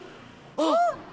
あっ！